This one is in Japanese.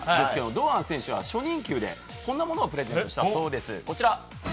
堂安選手は初任給でこんなものをプレゼントしました。